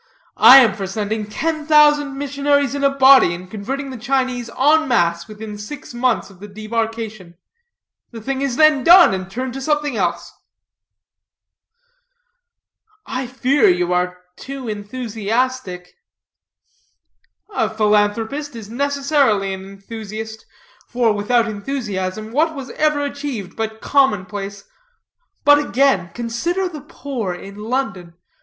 I am for sending ten thousand missionaries in a body and converting the Chinese en masse within six months of the debarkation. The thing is then done, and turn to something else." "I fear you are too enthusiastic." "A philanthropist is necessarily an enthusiast; for without enthusiasm what was ever achieved but commonplace? But again: consider the poor in London.